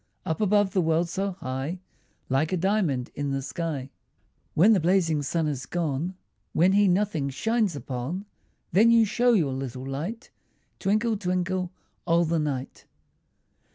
Up above the world so high, Like a diamond in the sky. When the blazing sun is gone, When he nothing shines upon, Then you show your little light, Twinkle, twinkle, all the night.